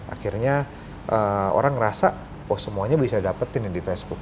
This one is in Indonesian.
akhirnya orang ngerasa oh semuanya bisa dapetin di facebook